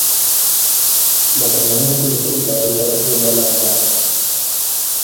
maka na ya bụ otu ndọrọndọrọ bụ ụgbọ na-aga aga.